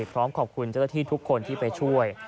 พร้อมขอบคุณเจ้าหน้าที่ทุกคนที่ไปช่วย